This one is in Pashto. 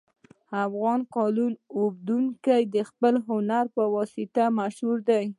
افغان قالین اوبدونکي د خپل هنر په واسطه مشهور دي